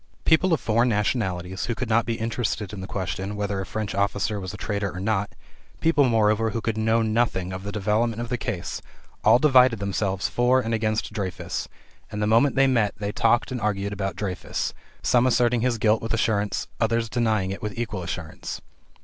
People of foreign nationalities, who could not be interested in the question whether a French officer was a traitor or not people, moreover, who could know nothing of the development of the case all divided themselves for and against Dreyfus, and the moment they met they talked and argued about Dreyfus, some asserting his guilt with assurance, others denying it with equal assurance.